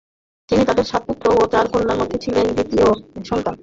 তিনি তাদের সাত পুত্র ও চার কন্যার মধ্যে ছিলেন দ্বিতীয় সন্তান।